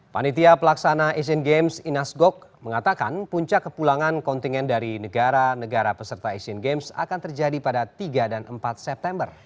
panitia pelaksana asian games inas gok mengatakan puncak kepulangan kontingen dari negara negara peserta asian games akan terjadi pada tiga dan empat september